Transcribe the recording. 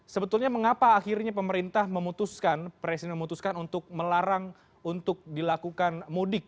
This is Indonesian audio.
sebetulnya mengapa akhirnya pemerintah memutuskan presiden memutuskan untuk melarang untuk dilakukan mudik